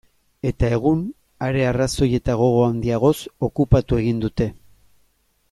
Eta egun, are arrazoi eta gogo handiagoz, okupatu egin dute.